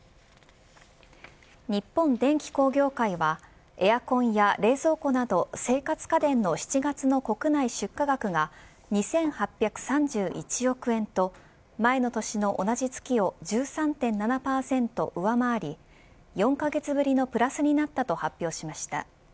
日本電機工業会はエアコンや冷蔵庫など生活家電の７月の国内出荷額が２８３１億円と前の年の同じ月を１３．７％上回り４カ月ぶりのプラスになったと発表しました。